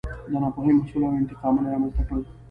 د ناپوهۍ محصول و او انتقامونه یې رامنځته کړل.